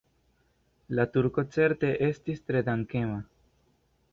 La turko certe estis tre dankema.